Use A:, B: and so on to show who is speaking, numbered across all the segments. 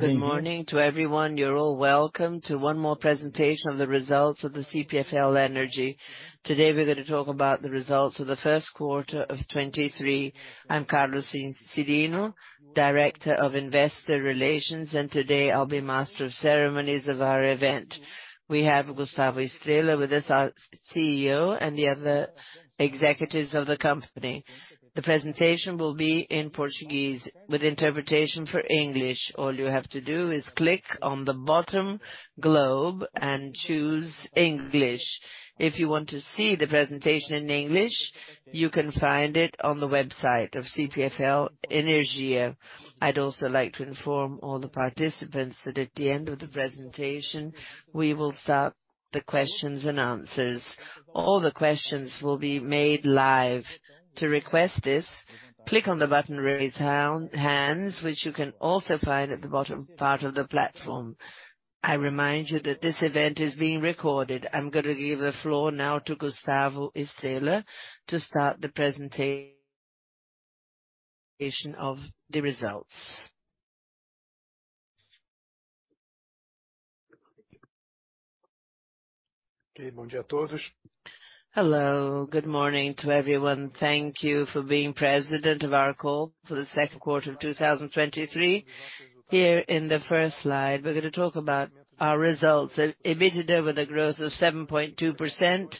A: Good morning to everyone. You're all welcome to one more presentation of the results of the CPFL Energia. Today, we're gonna talk about the results of the first quarter of 2023. I'm Carlos Cyrino, Director of Investor Relations, and today I'll be master of ceremonies of our event. We have Gustavo Estrella with us, our CEO, and the other executives of the company. The presentation will be in Portuguese with interpretation for English. All you have to do is click on the bottom globe and choose English. If you want to see the presentation in English, you can find it on the website of CPFL Energia. I'd also like to inform all the participants that at the end of the presentation, we will start the questions and answers. All the questions will be made live. To request this, click on the button, Raise hands, which you can also find at the bottom part of the platform. I remind you that this event is being recorded. I'm gonna give the floor now to Gustavo Estrella, to start the presentation of the results.
B: Hello, good morning to everyone. Thank you for being present of our call for the second quarter of 2023. Here in the 1st slide, we're gonna talk about our results. EBITDA with a growth of 7.2%,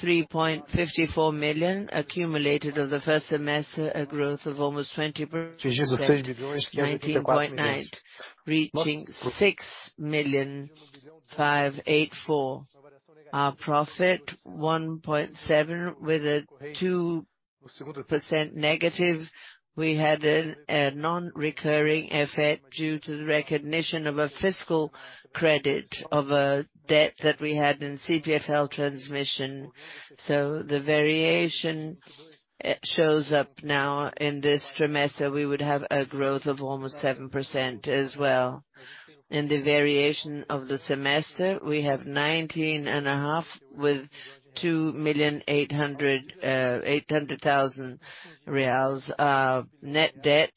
B: 3.54 million accumulated over the 1st semester, a growth of almost 20%, 19.9%, reaching 6.584 million. Our profit, 1.7 million with a 2% negative. We had a non-recurring effect due to the recognition of a fiscal credit of a debt that we had in CPFL Transmissão. The variation shows up now. In this trimester, we would have a growth of almost 7% as well. In the variation of the semester, we have 19.5%, with 2.8 million of net debt,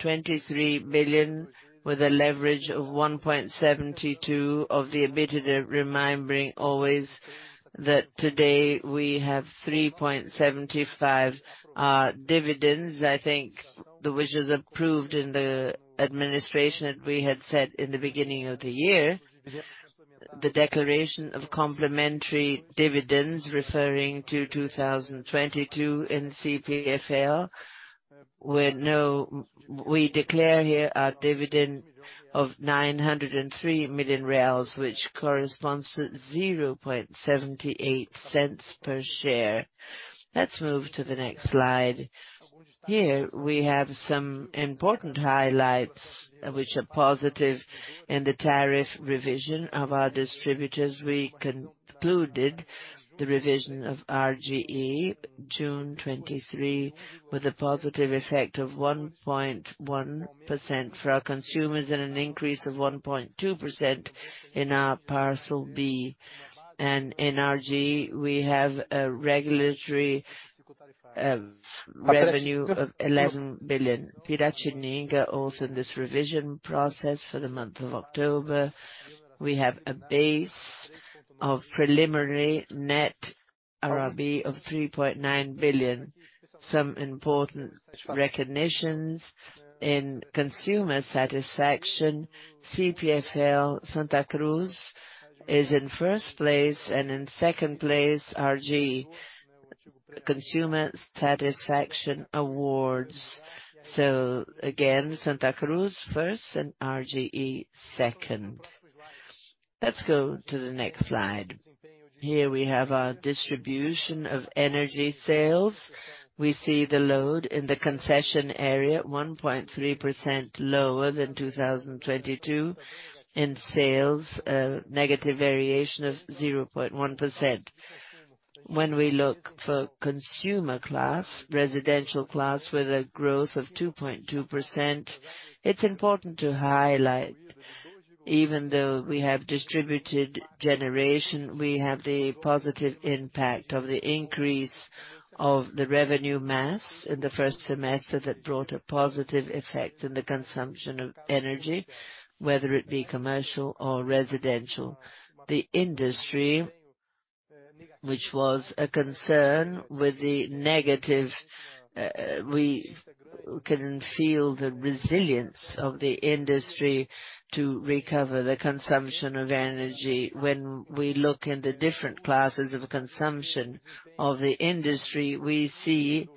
B: 23 billion, with a leverage of 1.72 of the EBITDA. Reminding always, that today we have 3.75 dividends. I think, which was approved in the administration, that we had set in the beginning of the year. The declaration of complimentary dividends, referring to 2022 in CPFL. We declare here a dividend of 903 million reais, which corresponds to 0.78 per share. Let's move to the next slide. Here, we have some important highlights, which are positive in the tariff revision of our distributors. We concluded the revision of RGE, June 23, with a positive effect of 1.1% for our consumers, and an increase of 1.2% in our Parcel B. In RGE, we have a regulatory revenue of 11 billion. CPFL Piratininga, also in this revision process for the month of October, we have a base of preliminary net RRB of 3.9 billion. Some important recognitions in consumer satisfaction. CPFL Santa Cruz is in first place, and in second place, RGE. Consumer Satisfaction Awards. Again, Santa Cruz first and RGE second. Let's go to the next slide. Here we have our distribution of energy sales. We see the load in the concession area, 1.3% lower than 2022. In sales, a negative variation of 0.1%. When we look for consumer class, residential class, with a growth of 2.2%, it's important to highlight, even though we have distributed generation, we have the positive impact of the increase of the revenue mass in the first semester that brought a positive effect in the consumption of energy, whether it be commercial or residential. The industry, which was a concern with the negative, we can feel the resilience of the industry to recover the consumption of energy. When we look in the different classes of consumption of the industry, we see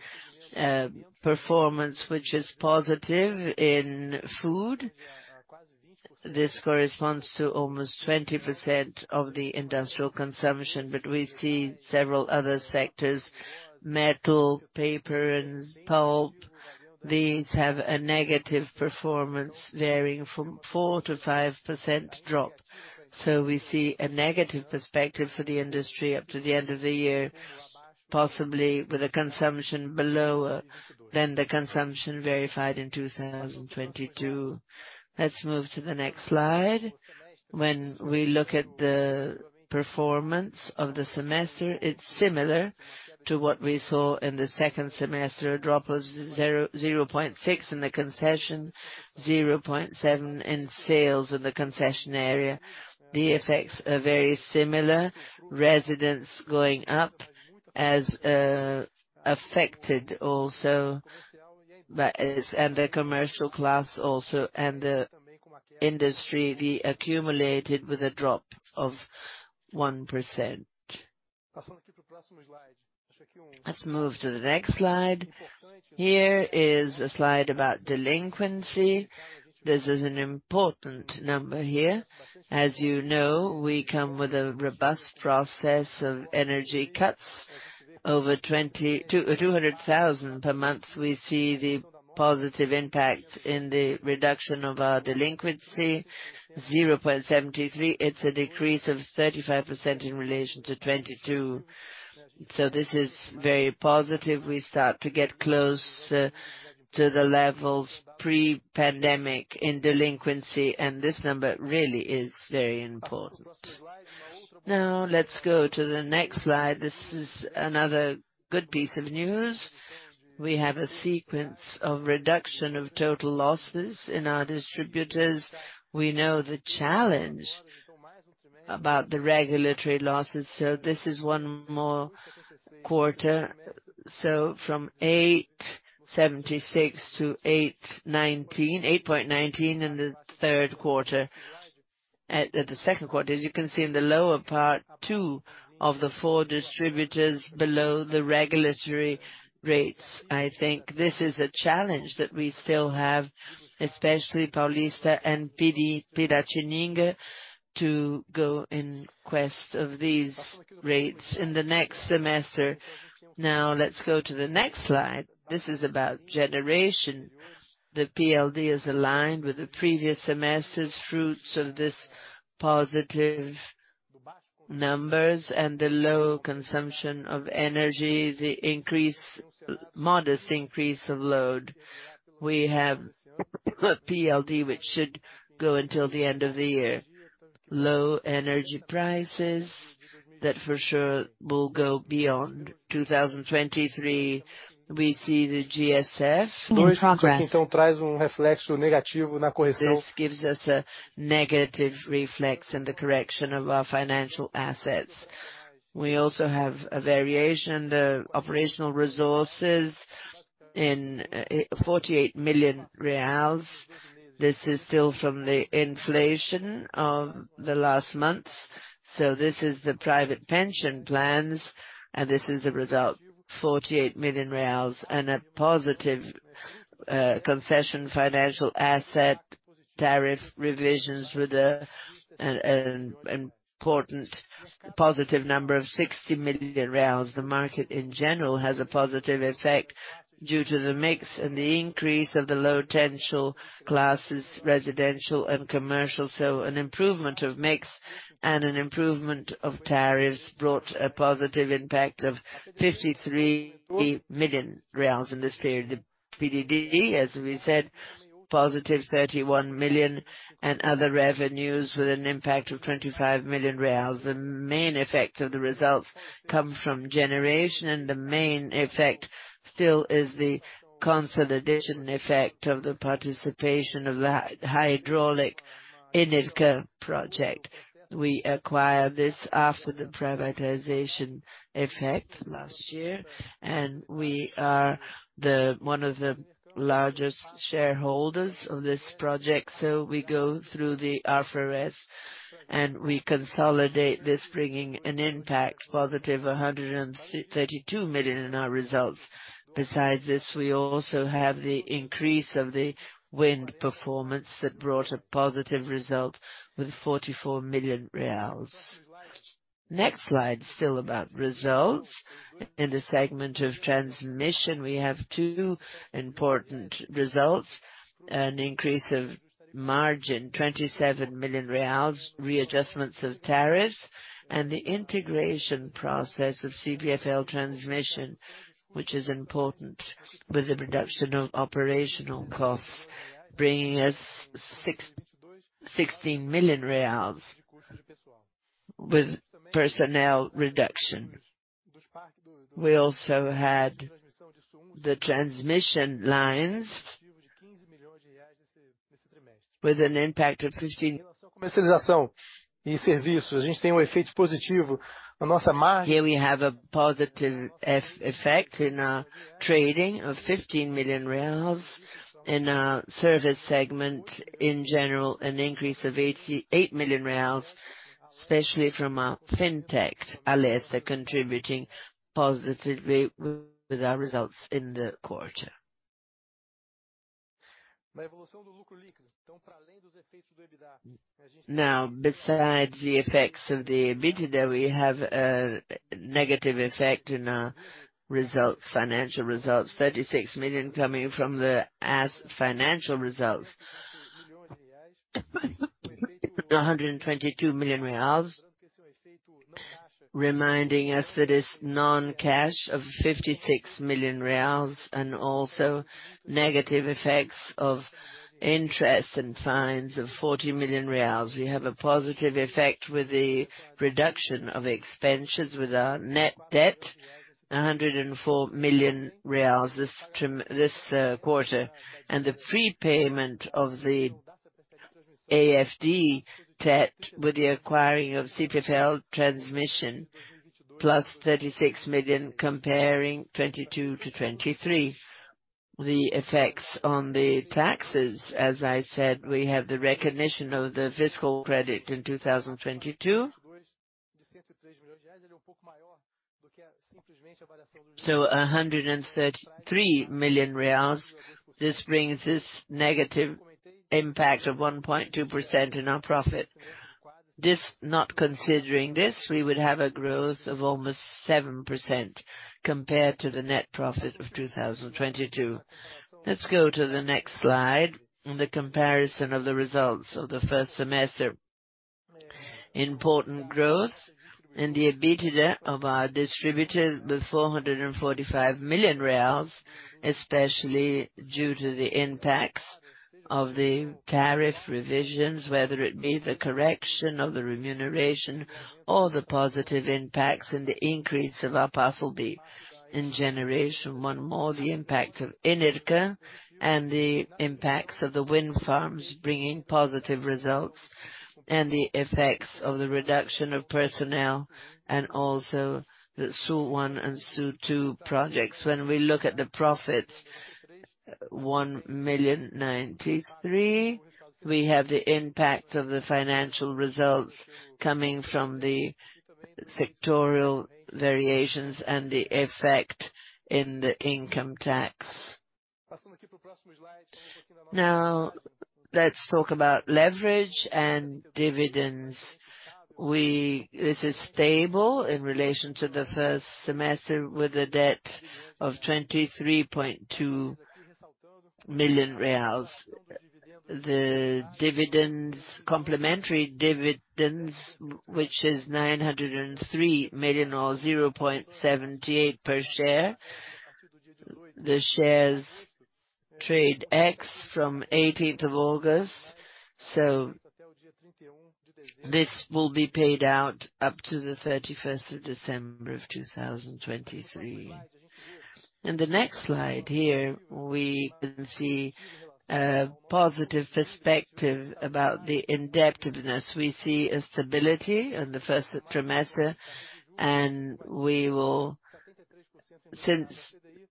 B: performance which is positive in food. This corresponds to almost 20% of the industrial consumption, but we see several other sectors, metal, paper and pulp. These have a negative performance, varying from 4%-5% drop. We see a negative perspective for the industry up to the end of the year. possibly with a consumption below than the consumption verified in 2022. Let's move to the next slide. When we look at the performance of the semester, it's similar to what we saw in the second semester, a drop of 0.6 in the concession, 0.7 in sales in the concession area. The effects are very similar, residents going up as affected also, and the commercial class also, and the industry, the accumulated with a drop of 1%. Let's move to the next slide. Here is a slide about delinquency. This is an important number here. As you know, we come with a robust process of energy cuts, over 200,000 per month. We see the positive impact in the reduction of our delinquency, 0.73. It's a decrease of 35% in relation to 2022. This is very positive. We start to get close to the levels pre-pandemic in delinquency, and this number really is very important. Let's go to the next slide. This is another good piece of news. We have a sequence of reduction of total losses in our distributors. We know the challenge about the regulatory losses, this is one more quarter. From 8.76 to 8.19, 8.19 in the 3Q. At the 2Q, as you can see in the lower part, two of the four distributors below the regulatory rates. I think this is a challenge that we still have, especially CPFL Paulista and CPFL Piratininga, to go in quest of these rates in the next semester. Let's go to the next slide. This is about generation. The PLD is aligned with the previous semester's fruits of this positive numbers and the low consumption of energy, the modest increase of load. We have a PLD, which should go until the end of the year. Low energy prices, that for sure will go beyond 2023. We see the GSF in progress. This gives us a negative reflex in the correction of our financial assets. We also have a variation, the operational resources in 48 million reais. This is still from the inflation of the last month. This is the private pension plans, and this is the result, 48 million reais and a positive concession, financial asset, tariff revisions with an important positive number of 60 million reais. The market in general has a positive effect due to the mix and the increase of the low potential classes, residential and commercial. An improvement of mix and an improvement of tariffs brought a positive impact of BRL 53 million in this period. The PDD, as we said, positive 31 million and other revenues with an impact of BRL 25 million. The main effects of the results come from generation, and the main effect still is the consolidation effect of the participation of the hydraulic Enercan project. We acquired this after the privatization effect last year, and we are one of the largest shareholders of this project. We go through the RFS, and we consolidate this, bringing an impact, positive 132 million in our results. Besides this, we also have the increase of the wind performance that brought a positive result with 44 million reais. Next slide, still about results. In the segment of transmission, we have two important results: an increase of margin, 27 million reais, readjustments of tariffs, and the integration process of CPFL Transmissão, which is important with the reduction of operational costs, bringing us 16 million reais with personnel reduction. We also had the transmission lines with an impact of BRL 15. Here we have a positive effect in our trading of 15 million reais, in our service segment, in general, an increase of 88 million reais, especially from our fintech, Alessa, contributing positively with our results in the quarter. Now, besides the effects of the EBITDA, we have a negative effect in our results, financial results, R$36 million coming from the financial results, R$122 million, reminding us that it's non-cash of R$56 million, and also negative effects of interest and fines of R$40 million. We have a positive effect with the reduction of expenditures with our net debt, R$104 million this quarter, and the prepayment of the AFD debt with the acquiring of CPFL Transmissão, plus R$36 million, comparing 2022-2023. The effects on the taxes, as I said, we have the recognition of the fiscal credit in 2022. R$133 million. This brings this negative impact of 1.2% in our profit. This, not considering this, we would have a growth of almost 7% compared to the net profit of 2022. Let's go to the next slide, on the comparison of the results of the first semester. Important growth in the EBITDA of our distributor, with R$ 445 million, especially due to the impacts of the Tariff revisions, whether it be the correction or the remuneration or the positive impacts and the increase of our Parcel B. In generation, one more, the impact of Enercan and the impacts of the wind farms, bringing positive results, and the effects of the reduction of personnel, and also the Sul I and Sul II projects. When we look at the profits, R$ 1,093 million, we have the impact of the financial results coming from the vectorial variations and the effect in the income tax. Now, let's talk about leverage and dividends. This is stable in relation to the first semester, with a debt of R$ 23.2 million. The dividends, complimentary dividends, which is 903 million, or 0.78 per share. The shares trade ex from 18th of August, this will be paid out up to the 31st of December of 2023. In the next slide here, we can see positive perspective about the indebtedness. We see a stability in the first trimester. Since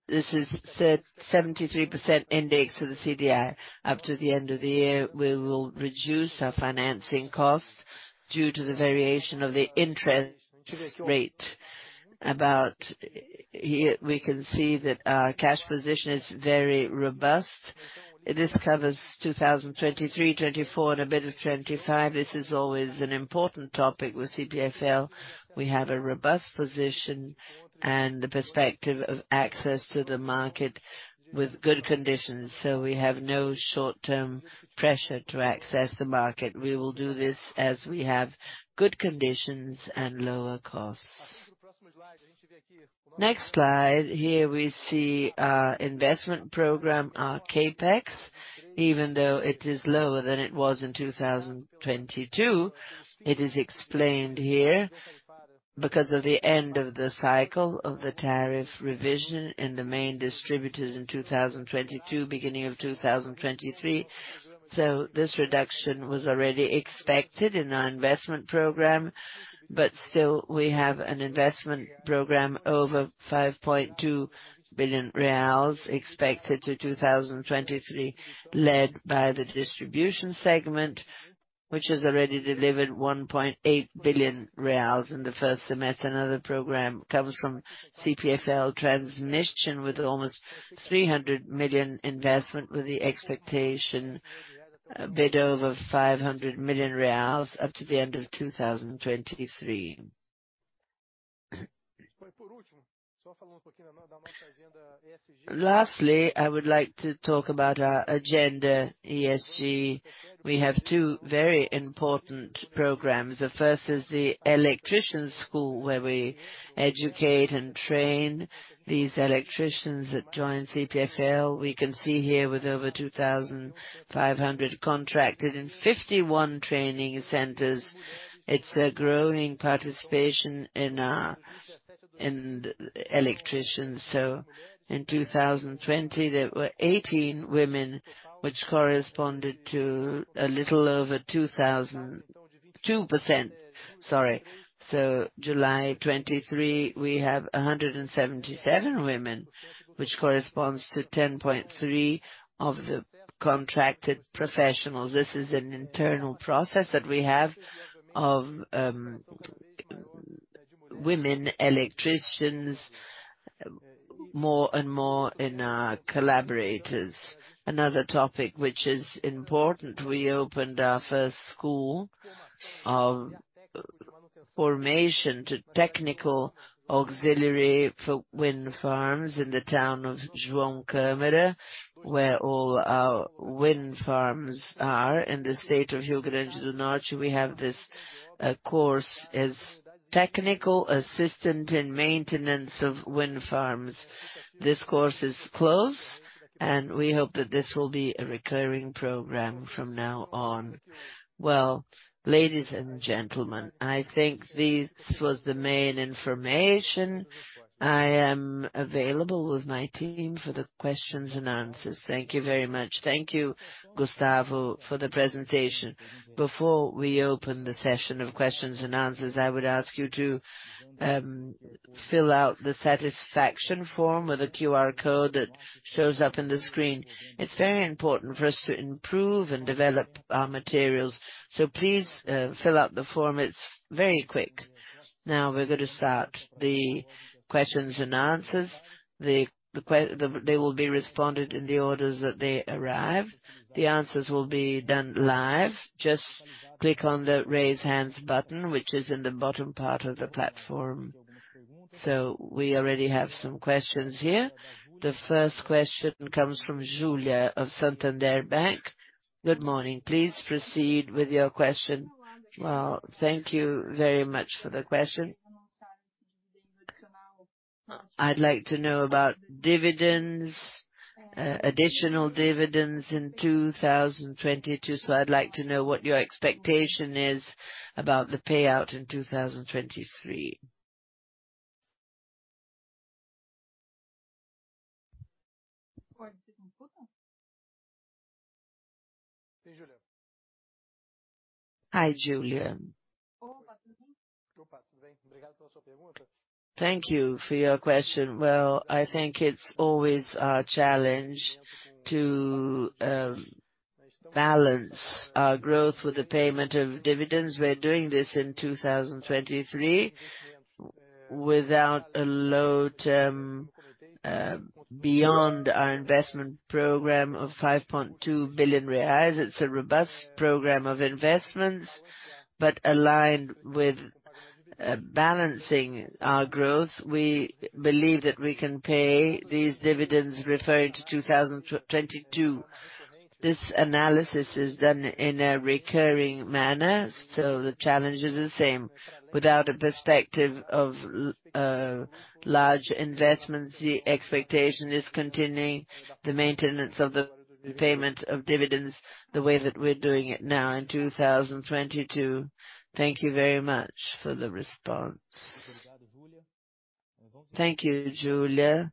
B: this is set 73% index to the CDI, up to the end of the year, we will reduce our financing costs due to the variation of the interest rate. About here, we can see that our cash position is very robust. This covers 2023, 2024, and a bit of 2025. This is always an important topic with CPFL. We have a robust position and the perspective of access to the market with good conditions, so we have no short-term pressure to access the market. We will do this as we have good conditions and lower costs. Next slide, here we see our investment program, our CapEx, even though it is lower than it was in 2022. It is explained here, because of the end of the cycle of the Tariff revision in the main distributors in 2022, beginning of 2023. This reduction was already expected in our investment program. Still we have an investment program over 5.2 billion reais, expected to 2023, led by the distribution segment, which has already delivered 1.8 billion reais in the first semester. Another program comes from CPFL Transmissão, with almost 300 million investment, with the expectation a bit over 500 million reais up to the end of 2023. Lastly, I would like to talk about our agenda, ESG. We have two very important programs. The first is the electrician school, where we educate and train these electricians that join CPFL. We can see here, with over 2,500 contracted in 51 training centers, it's a growing participation in electricians. In 2020, there were 18 women, which corresponded to a little over 2.2%. Sorry. July 2023, we have 177 women, which corresponds to 10.3% of the contracted professionals. This is an internal process that we have of women electricians, more and more in our collaborators. Another topic which is important, we opened our first school of formation to technical auxiliary for wind farms in the town of João Câmara, where all our wind farms are. In the state of Rio Grande do Norte, we have this course as technical assistant in maintenance of wind farms. This course is close. We hope that this will be a recurring program from now on. Well, ladies and gentlemen, I think this was the main information. I am available with my team for the questions and answers. Thank you very much. Thank you, Gustavo, for the presentation. Before we open the session of questions and answers, I would ask you to fill out the satisfaction form with a QR code that shows up in the screen. It's very important for us to improve and develop our materials. Please fill out the form. It's very quick. Now, we're going to start the questions and answers. They will be responded in the order that they arrive. The answers will be done live. Just click on the Raise Hands button, which is in the bottom part of the platform. We already have some questions here. The first question comes from Julia of Banco Santander. Good morning. Please proceed with your question. Well, thank you very much for the question. I'd like to know about dividends, additional dividends in 2022. I'd like to know what your expectation is about the payout in 2023. Hi, Julia. Thank you for your question. Well, I think it's always our challenge to balance our growth with the payment of dividends. We're doing this in 2023, without a load, beyond our investment program of 5.2 billion reais. It's a robust program of investments, but aligned with balancing our growth. We believe that we can pay these dividends, referring to 2022. This analysis is done in a recurring manner, so the challenge is the same. Without a perspective of large investments, the expectation is continuing the maintenance of the payment of dividends, the way that we're doing it now in 2022. Thank you very much for the response. Thank you, Julia.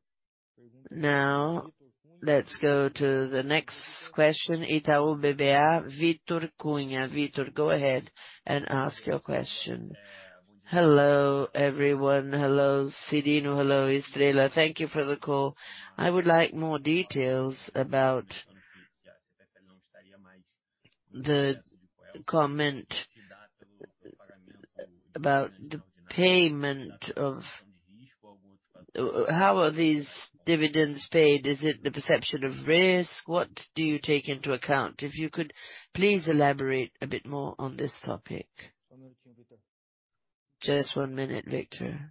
A: Now, let's go to the next question. Itau BBA, Vitor Cunha. Vitor, go ahead and ask your question.
B: Hello, everyone. Hello, Cyrino. Hello, Estrella. Thank you for the call. I would like more details about the comment about the payment of... How are these dividends paid? Is it the perception of risk? What do you take into account? If you could please elaborate a bit more on this topic. Just one minute, Vitor.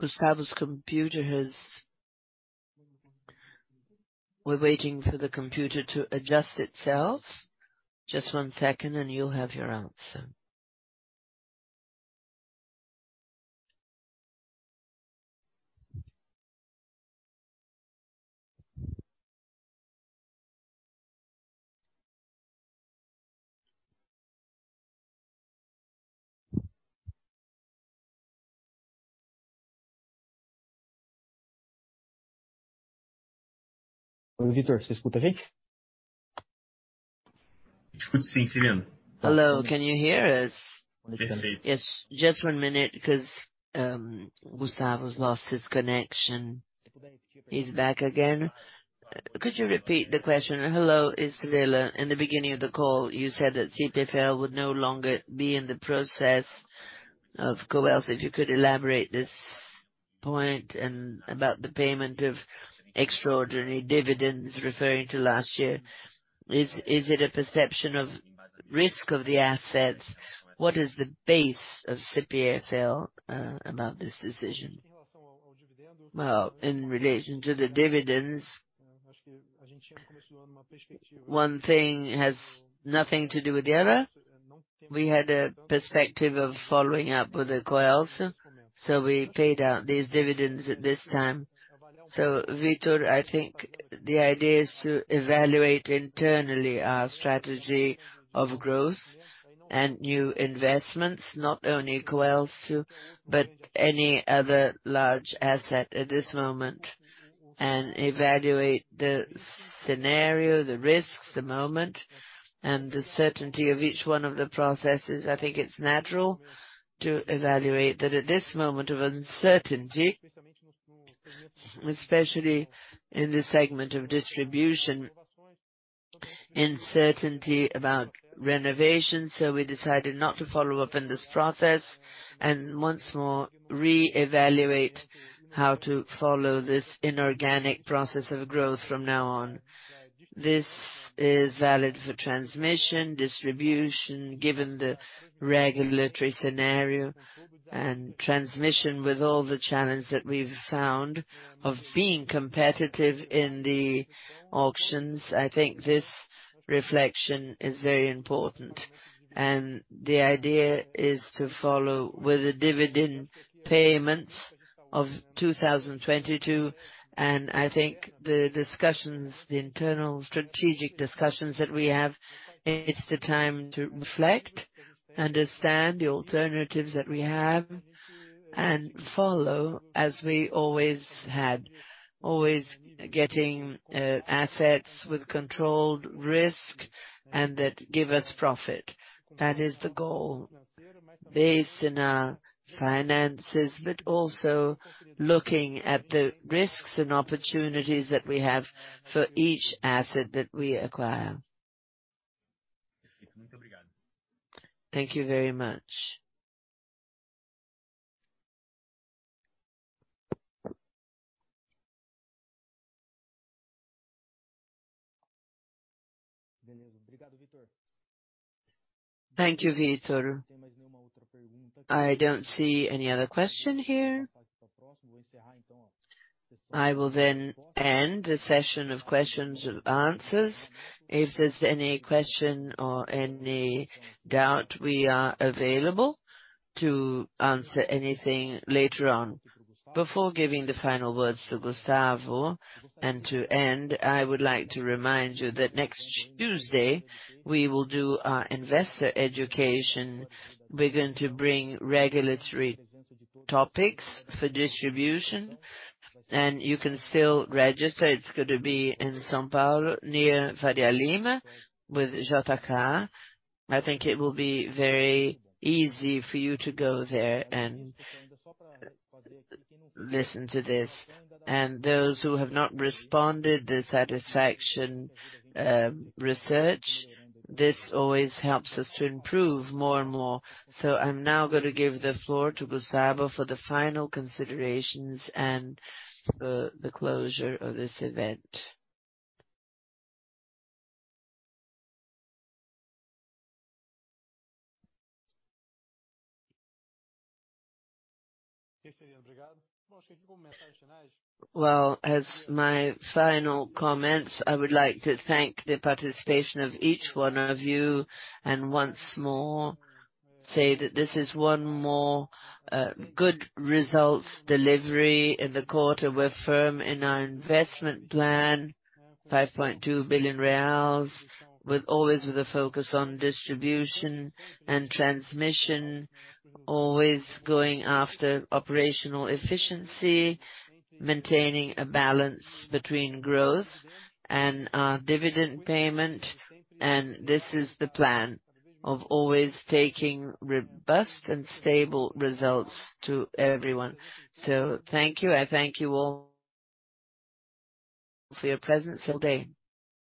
B: Gustavo's computer has-- We're waiting for the computer to adjust itself. Just one second, and you'll have your answer. Hello, can you hear us? Yes, just one minute, because Gustavo's lost his connection. He's back again. Could you repeat the question? Hello, Estrella. In the beginning of the call, you said that CPFL would no longer be in the process of Coelce. If you could elaborate this point and about the payment of extraordinary dividends referring to last year. Is it a perception of risk of the assets? What is the base of CPFL about this decision? Well, in relation to the dividends, one thing has nothing to do with the other. We had a perspective of following up with the Coelce, we paid out these dividends at this time. Vitor, I think the idea is to evaluate internally our strategy of growth and new investments, not only Coelce, but any other large asset at this moment, and evaluate the scenario, the risks, the moment, and the certainty of each one of the processes. I think it's natural to evaluate that at this moment of uncertainty, especially in the segment of distribution-, uncertainty about renovation, so we decided not to follow up in this process, and once more, reevaluate how to follow this inorganic process of growth from now on. This is valid for transmission, distribution, given the regulatory scenario and transmission, with all the challenge that we've found of being competitive in the auctions. I think this reflection is very important, and the idea is to follow with the dividend payments of 2022. I think the discussions, the internal strategic discussions that we have, it's the time to reflect, understand the alternatives that we have, and follow as we always had, always getting assets with controlled risk and that give us profit. That is the goal, based in our finances, but also looking at the risks and opportunities that we have for each asset that we acquire. Thank you very much. Thank you, Vitor. I don't see any other question here. I will end the session of questions and answers. If there's any question or any doubt, we are available to answer anything later on. Before giving the final words to Gustavo, and to end, I would like to remind you that next Tuesday, we will do our investor education. We're going to bring regulatory topics for distribution, and you can still register. It's going to be in São Paulo, near Faria Lima, with JTK. I think it will be very easy for you to go there and listen to this. Those who have not responded, the satisfaction research, this always helps us to improve more and more. I'm now gonna give the floor to Gustavo for the final considerations and the closure of this event. Well, as my final comments, I would like to thank the participation of each one of you, and once more, say that this is one more good results delivery in the quarter. We're firm in our investment plan, 5.2 billion reais, with always with a focus on distribution and transmission, always going after operational efficiency, maintaining a balance between growth and our dividend payment. This is the plan of always taking robust and stable results to everyone. Thank you. I thank you all for your presence today.